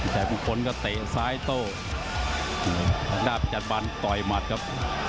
ชายมงคลก็เตะซ้ายโต้หลังหน้าประจัดบันต่อยหมัดครับ